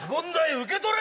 受け取れ！